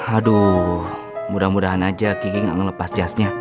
aduh mudah mudahan aja kiki gak ngelepas jasnya